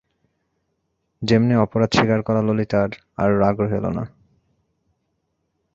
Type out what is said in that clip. যেমনি অপরাধ স্বীকার করা ললিতার আর রাগ রহিল না।